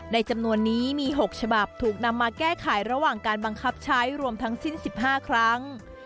จำนวนนี้มี๖ฉบับถูกนำมาแก้ไขระหว่างการบังคับใช้รวมทั้งสิ้น๑๕ครั้ง